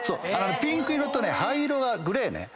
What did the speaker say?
ピンク色と灰色グレーね。